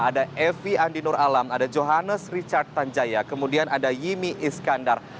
ada evi andinur alam ada johannes richard tanjaya kemudian ada yimi iskandar